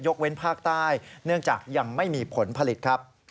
เว้นภาคใต้เนื่องจากยังไม่มีผลผลิตครับ